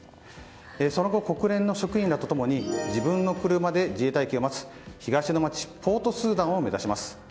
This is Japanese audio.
その後、国連の職員らと共に自分の車で自衛隊機が待つ東の街ポートスーダンを目指します。